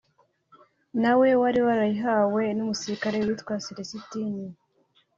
nawe wari warayihawe n’umusirikare witwaga Céléstin